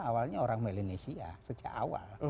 awalnya orang melinesia sejak awal